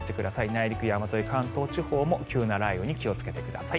内陸山沿い、関東地方も急な雷雨に気をつけてください。